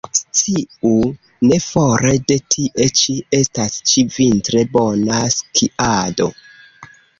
Sciu, ne fore de tie ĉi, estas ĉi-vintre bona skiado.